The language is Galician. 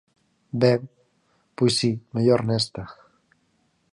Ben, pois si, mellor nesta.